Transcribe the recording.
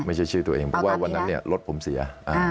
ไม่ใช่ชื่อตัวเองเพราะว่าวันนั้นเนี่ยรถผมเสีย